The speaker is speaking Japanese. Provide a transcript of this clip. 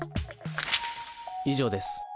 以上です。